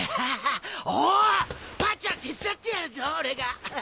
ばあちゃん手伝ってやるぞ俺が。